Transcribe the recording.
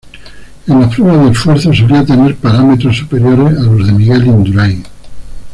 En las pruebas de esfuerzo solía tener parámetros superiores a los de Miguel Indurain.